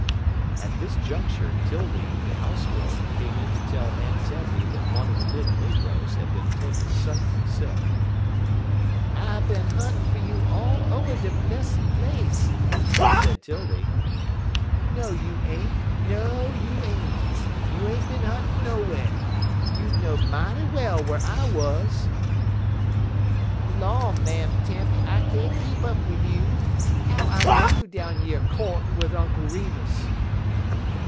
At this juncture, 'Tildy, the house girl, came in to tell Aunt Tempy that one of the little negroes had been taken suddenly sick. "I bin huntin' fer you over de whole blessid place," said 'Tildy. "No, you ain't no, you ain't. You ain't bin huntin' nowhar. You know'd mighty well whar I wuz." "Law, Mam' Tempy, I can't keep up wid you. How I know you down yer courtin' wid Unk Remus?"